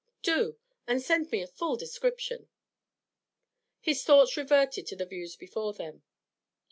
'Do, and send me a full description.' His thoughts reverted to the views before them.